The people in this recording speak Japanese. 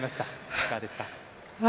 いかがですか？